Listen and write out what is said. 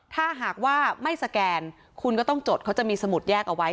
ถ้าหากว่าไม่สแกนคุณก็ต้องจดเขาจะมีสมุดแยกเอาไว้